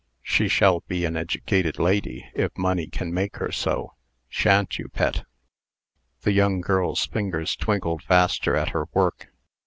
She shall be an educated lady, if money can make her so. Sha'n't you, Pet?" The young girl's fingers twinkled faster at her work.